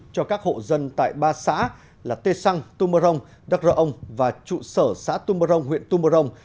cho các hộ dân tại ba xã là tê săng tumorong đắc rợ ông và trụ sở xã tumorong huyện tumorong